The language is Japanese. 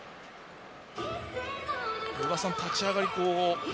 与田さん、立ち上がり